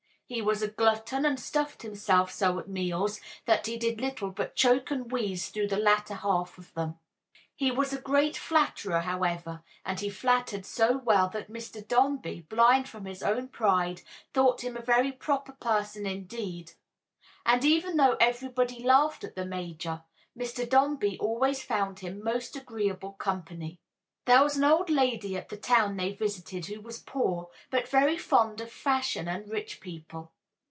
He was a glutton, and stuffed himself so at meals that he did little but choke and wheeze through the latter half of them. He was a great flatterer, however, and he flattered so well that Mr. Dombey, blind from his own pride, thought him a very proper person indeed. And even though everybody laughed at the major, Mr. Dombey always found him most agreeable company. There was an old lady at the town they visited who was poor, but very fond of fashion and rich people.